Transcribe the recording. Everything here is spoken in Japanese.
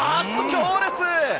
強烈！